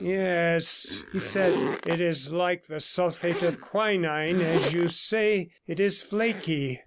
'Yes,' he said, 'it is like the sulphate of quinine, as you say; it is flaky.